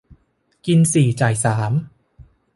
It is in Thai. กินสี่จ่ายสาม